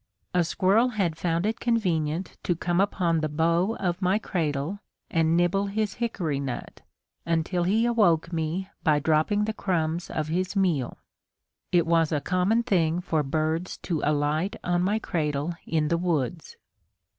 A squirrel had found it convenient to come upon the bow of my cradle and nibble his hickory nut, until he awoke me by dropping the crumbs of his meal. It was a common thing for birds to alight on my cradle in the woods.